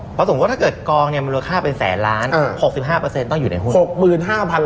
สมมุติว่าถ้าเกิดกองมันรวยค่าเป็นแสนล้าน๖๕ต้องอยู่ในหุ้น